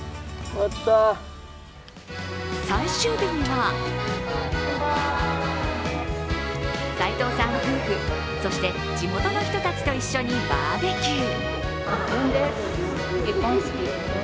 最終日には齋藤さん夫婦、そして地元の人たちと一緒にバーベキュー。